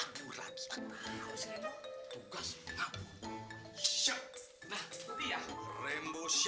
tidak ada yang berhenti